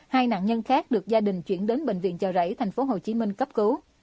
hai nạn nhân khác được gia đình chuyển đến bệnh viện chào rẫy thành phố hồ chí minh cấp cứu